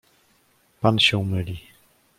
"„Pan się myli."